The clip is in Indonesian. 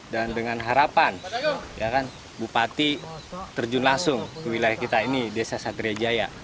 dan dengan harapan bupati terjun langsung ke wilayah kita ini desa satria jaya